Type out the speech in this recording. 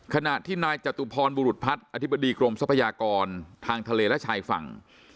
ขณะที่นายจตุพรบุรุษพัฒน์อธิบดีกรมทรัพยากรทางทะเลและชายฝั่ง